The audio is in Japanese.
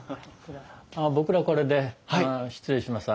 僕らこれで失礼します。